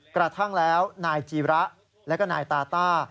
กระทั่งแล้วนายจีระและก็นายตาต้า